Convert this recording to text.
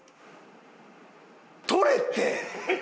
取れって！